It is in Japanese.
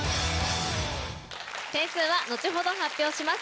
点数は後ほど発表します。